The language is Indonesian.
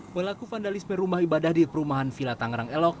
pelaku vandalisme rumah ibadah di perumahan villa tangerang elok